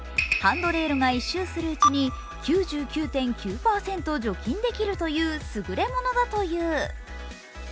ハンドレールが１周するうちに９９．９％除菌できるという優れものだという。